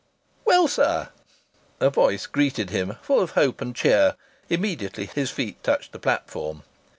"Well, sir!" a voice greeted him full of hope and cheer, immediately his feet touched the platform.